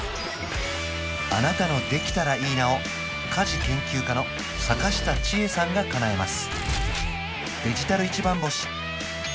あなたの「できたらいいな」を家事研究家の阪下千恵さんがかなえます